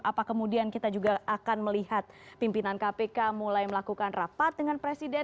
apa kemudian kita juga akan melihat pimpinan kpk mulai melakukan rapat dengan presiden